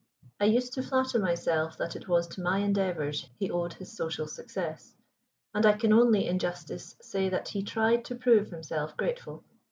I used to flatter myself that it was to my endeavors he owed his social success, and I can only, in justice, say that he tried to prove himself grateful.